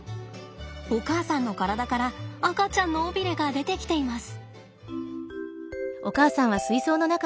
お母さんの体から赤ちゃんの尾ビレが出てきています。